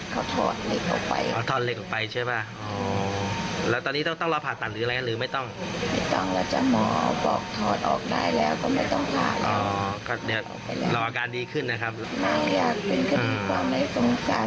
ก็ไม่ได้ตั้งใจเราก็ไม่ได้ตั้งใจมันเป็นอุบัติเหตุ